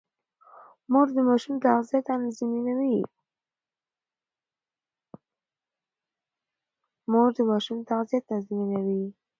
مور د ماشوم تغذيه تنظيموي.